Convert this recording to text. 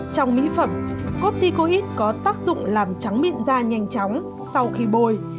trong mỹ phẩm cotticoid có tác dụng làm trắng mịn da nhanh chóng sau khi bôi